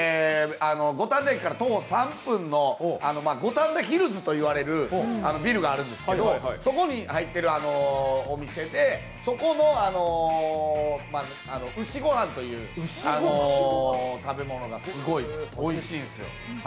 五反田駅から徒歩３分の五反田ヒルズと言われるビルがあるんですがそこに入ってるお店で、そこの牛ご飯という食べ物がすごいおいしいんですよ。